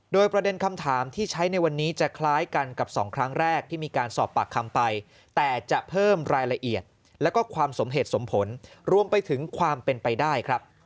โดยประเด็นคำถามที่ใช้ในวันนี้จะคล้ายกันกับสองครั้งแรกที่มีการสอบปากคำไปแต่จะเพิ่มรายละเอียดแล้วก็ความสมเหตุสมผลรวมไปถึงความเป็นไปได้ครับ